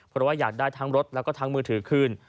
เพราะว่าอยากได้ทั้งรถแล้วก็ทั้งมือถือคืน